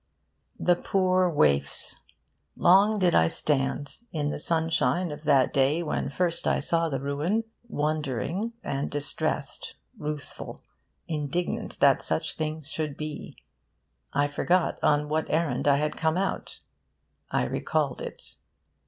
The poor waifs! Long did I stand, in the sunshine of that day when first I saw the ruin, wondering and distressed, ruthful, indignant that such things should be. I forgot on what errand I had come out. I recalled it.